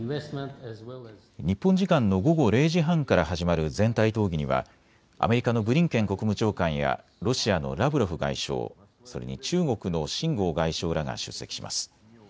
日本時間の午後０時半から始まる全体討議にはアメリカのブリンケン国務長官やロシアのラブロフ外相、それに中国の秦剛外相らが出席します。